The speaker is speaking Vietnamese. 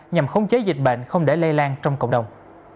nhằm khống chế dịch bệnh không để lây lan trong cộng đồng